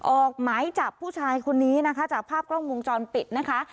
ออกหมายจับผู้ชายคนนี้นะคะจากภาพกล้องวงจรปิดนะคะ